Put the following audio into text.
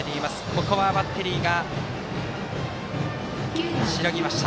ここはバッテリーがしのぎました。